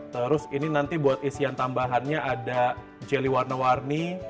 terus ini nanti buat isian tambahannya ada jelly warna warni